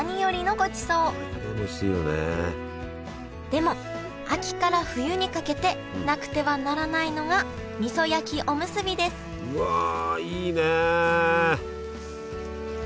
でも秋から冬にかけてなくてはならないのがみそ焼きおむすびですうわいいね！